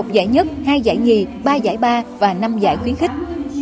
một giải nhất hai giải nhì ba giải ba và năm giải khuyến khích